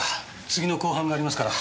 次の公判がありますから。